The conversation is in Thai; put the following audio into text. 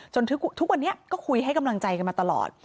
ทุกวันนี้ก็คุยให้กำลังใจกันมาตลอด